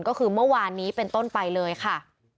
ก็คือเมื่อวานนี้เป็นต้นไปเลยค่ะ